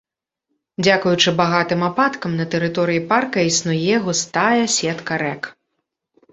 Дзякуючы багатым ападкам на тэрыторыі парка існуе густая сетка рэк.